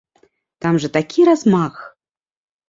Там жа такі размах.